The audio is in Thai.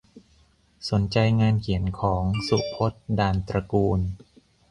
สนใจงานเขียนของ สุพจน์ ด่านตระกูล